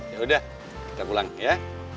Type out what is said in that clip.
yaudah kita pulang ya